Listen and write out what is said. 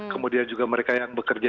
kemudian juga mereka yang bekerja